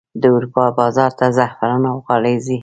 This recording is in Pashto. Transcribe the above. د اروپا بازار ته زعفران او غالۍ ځي